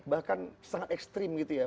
bahkan sangat ekstrim gitu ya